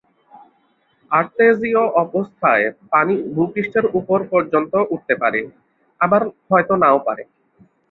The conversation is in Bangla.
আর্তেজীয় অবস্থায় পানি ভূ-পৃষ্ঠের উপর পর্যন্ত উঠতে পারে, আবার হয়ত নাও পারে।